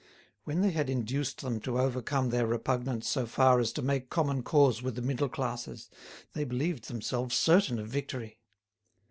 When they had induced them to overcome their repugnance so far as to make common cause with the middle classes, they believed themselves certain of victory.